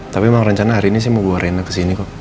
tapi memang rencana hari ini sih mau buah renang kesini kok